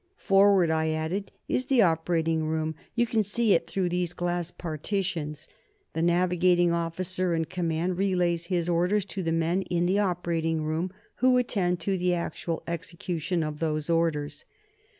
"Forward," I added, "is the operating room. You can see it through these glass partitions. The navigating officer in command relays his orders to men in the operating room, who attend to the actual execution of those orders."